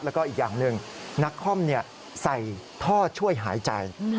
แล้วก็อีกอย่างหนึ่งนักคอมใส่ท่อช่วยหายใจ